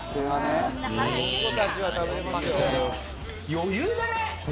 余裕だね。